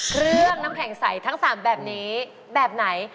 เครื่องน้ำแข็งใสทั้ง๓แบบนี้แบบไหน